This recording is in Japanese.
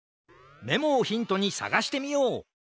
メモをヒントにさがしてみよう！